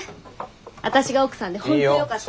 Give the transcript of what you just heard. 私が奥さんで本当よかったね。